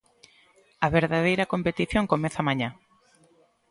A verdadeira competición comeza mañá.